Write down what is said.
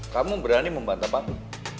kamu berani membantah papi